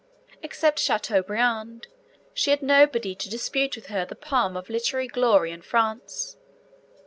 Except Chateaubriand, she had nobody to dispute with her the palm of literary glory in France.